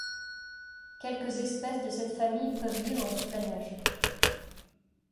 Quelques espèces de cette famille peuvent vivre sous la neige.